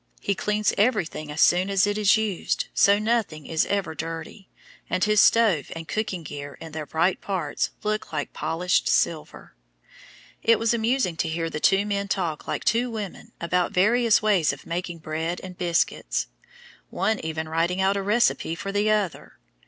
He cleans everything as soon as it is used, so nothing is ever dirty, and his stove and cooking gear in their bright parts look like polished silver. It was amusing to hear the two men talk like two women about various ways of making bread and biscuits, one even writing out a recipe for the other.